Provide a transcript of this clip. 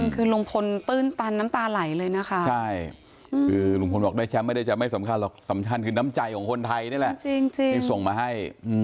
คือน้ำใจของคนไทยนี่แหละจริงส่งมาให้